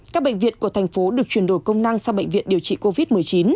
các bệnh viện của thành phố được chuyển đổi công năng sang bệnh viện điều trị covid một mươi chín